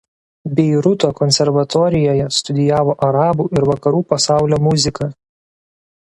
Beiruto konservatorijoje studijavo arabų ir Vakarų pasaulio muziką.